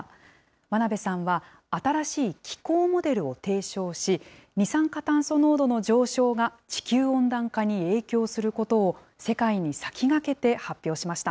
真鍋さんは新しい気候モデルを提唱し、二酸化炭素濃度の上昇が地球温暖化に影響することを、世界に先駆けて発表しました。